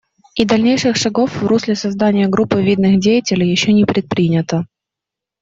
И дальнейших шагов в русле создания группы видных деятелей еще не предпринято.